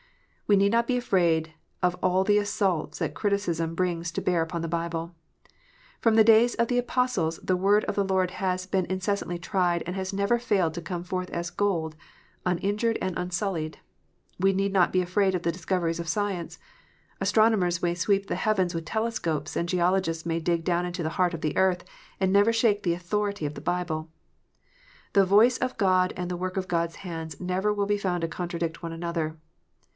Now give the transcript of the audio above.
We need not be afraid of all the assaults that criticism brings to bear upon the Bible. From the days of the Apostles the Word of the Lord has been incessantly " tried," and has never failed to come forth as gold, uninjured, and unsullied. We need not be afraid of the discoveries of science. Astronomers may sweep the heavens with telescopes, and geologists may dig down into the heart of the earth, and never shake the authority of the Bible :" The voice of God and the work of God s hands never will be found to contradict one another."